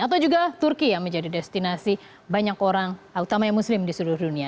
atau juga turki yang menjadi destinasi banyak orang utama yang muslim di seluruh dunia